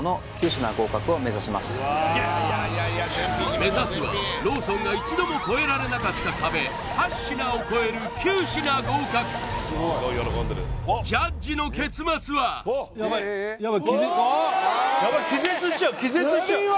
目指すはローソンが一度もこえられなかった壁８品を超えるジャッジの結末はあーっヤバい